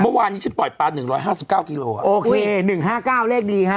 เมื่อวานนี้ฉันปล่อยปลาหนึ่งร้อยห้าสิบเก้ากิโลอ่ะโอเคหนึ่งห้าเก้าเลขดีฮะ